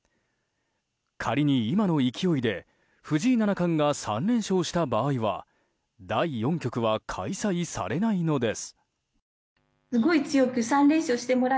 仮に今の勢いで藤井七冠が３連勝した場合は第４局は開催されないのです。